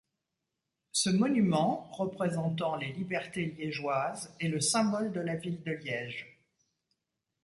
Ce monument, représentant les libertés liégeoises, est le symbole de la Ville de Liège.